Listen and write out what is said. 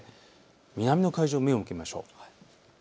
南の海上に目を向けましょう。